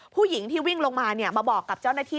ผู้หญิงที่วิ่งลงมามาบอกกับเจ้าหน้าที่